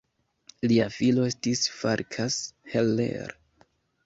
Lia filo estis Farkas Heller.